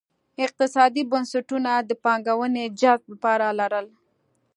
اقتصادي بنسټونو د پانګونې جذب لپاره لرل.